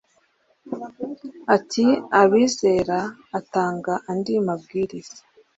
ari abizera, atanga andi mabwiriza